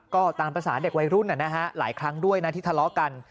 ก็ตามภาษาเด็กวัยรุ่นหลายครั้งด้วยนะที่ทะเลาะกัน